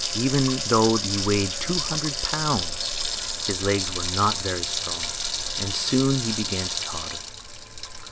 Even though he weighed two hundred pounds his legs were not very strong, and soon he began to totter.